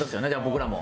僕らも。